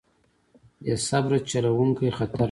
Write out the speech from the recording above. بې صبره چلوونکی خطر لري.